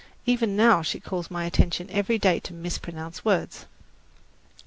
Even now she calls my attention every day to mispronounced words.